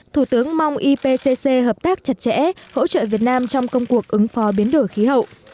thủ tướng mong ipc hợp tác chặt chẽ hỗ trợ việt nam trong công cuộc ứng phó biến đổi khí hậu